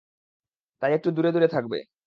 তাই একটু দূরে-দূরে থাকবে।